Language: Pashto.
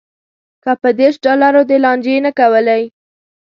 که په دېرش ډالرو دې لانجې نه کولی.